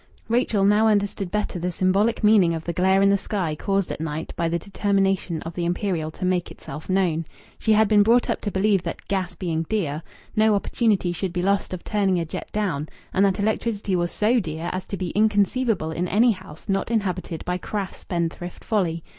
Rachel now understood better the symbolic meaning of the glare in the sky caused at night by the determination of the Imperial to make itself known. She had been brought up to believe that, gas being dear, no opportunity should be lost of turning a jet down, and that electricity was so dear as to be inconceivable in any house not inhabited by crass spendthrift folly.